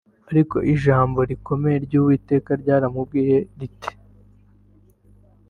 ariko ijambo rikomeye ry’Uwiteka ryaramubwiye riti